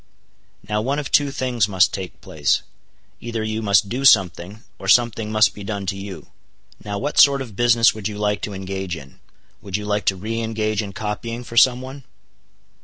"Now one of two things must take place. Either you must do something, or something must be done to you. Now what sort of business would you like to engage in? Would you like to re engage in copying for some one?"